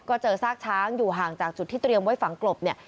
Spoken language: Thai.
ก็เจอซากช้างอยู่ห่างจากจุดที่เตรียมไว้ฝังกลบเนี่ย